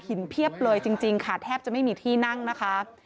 เพียบเลยจริงค่ะแทบจะไม่มีที่นั่งนะคะ